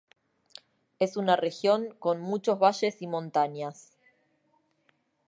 Es una región con muchos valles y montañas.